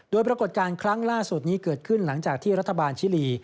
โดยปรากฏการณ์ครั้งล่าสุดนี้เกิดขึ้นหลังจากที่รัฐบาลชิลี